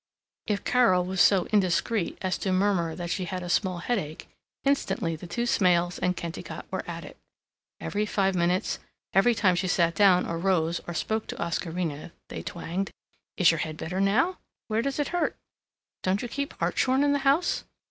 If Carol was so indiscreet as to murmur that she had a small headache, instantly the two Smails and Kennicott were at it. Every five minutes, every time she sat down or rose or spoke to Oscarina, they twanged, "Is your head better now? Where does it hurt? Don't you keep hartshorn in the house?